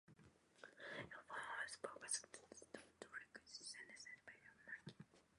It formerly also broadcast to the Tri-Cities, Tennessee-Virginia market.